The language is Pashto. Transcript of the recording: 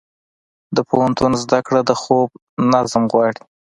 د پوهنتون زده کړه د خوب نظم غواړي.